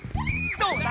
どうだ